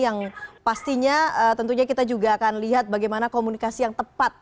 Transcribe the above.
yang pastinya tentunya kita juga akan lihat bagaimana komunikasi yang tepat